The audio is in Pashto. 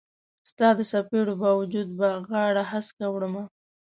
ستا د څیپړو با وجود به غاړه هسکه وړمه